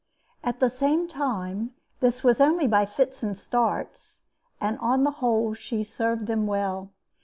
At the same time, this was only by fits and starts, and on the whole she served them well.